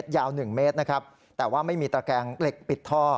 ยาว๑เมตรนะครับแต่ว่าไม่มีตระแกงเหล็กปิดท่อ